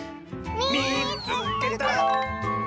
「みいつけた！」。